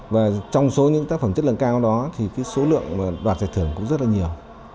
và trong số những tác phẩm chất lượng cao đó thì số lượng đoạt giải thưởng cũng rất là nhiều